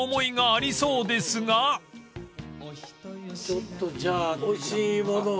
ちょっとじゃあおいしいものをね。